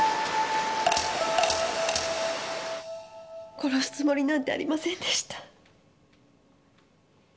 殺すつもりなんてありませんでした。